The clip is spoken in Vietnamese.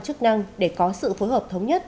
chức năng để có sự phối hợp thống nhất